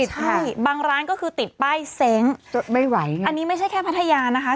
ใช่บางร้านก็คือติดป้ายเซ้งไม่ไหวไงอันนี้ไม่ใช่แค่พัทยานะคะ